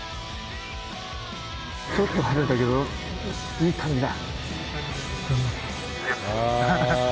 ちょっと跳ねたけどいい感じだ。